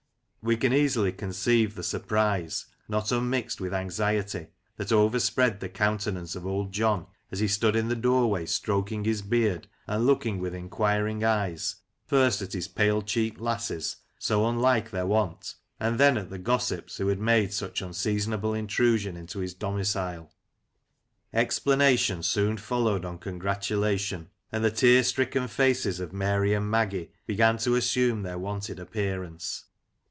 We can easily conceive the surprise, not unmixed with anxiety, that overspread the countenance of Old John as he stood in the doorway stroking his beard, and looking with enquiring eyes, first at his pale cheeked lasses, so unlike their wont, and then at the gossips who had made such unseason able intrusion into his domicile. Explanation soon followed on congratulation, and the tear stricken faces of Mary and t.L Mi I Old Johfis Sunday Dinner, 109 Maggie began to assume their wonted appearance.